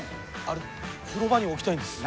あれ風呂場に置きたいんです。